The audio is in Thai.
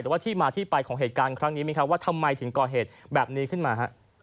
แต่ว่าที่มาที่ไปของเหตุการณ์ครั้งนี้ไหมครับว่าทำไมถึงก่อเหตุแบบนี้ขึ้นมา